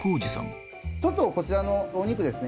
ちょっとこちらのお肉ですね